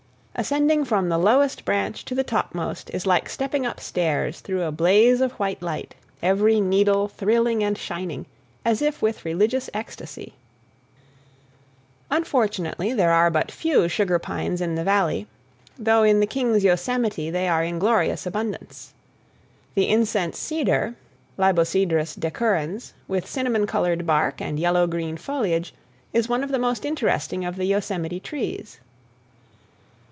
Ascending from the lowest branch to the topmost is like stepping up stairs through a blaze of white light, every needle thrilling and shining as if with religious ecstasy. Unfortunately there are but few sugar pines in the Valley, though in the King's yosemite they are in glorious abundance. The incense cedar (Libocedrus decurrens) with cinnamon colored bark and yellow green foliage is one of the most interesting of the Yosemite trees.